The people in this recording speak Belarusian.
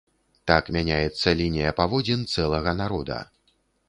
Так мяняецца лінія паводзін цэлага народа.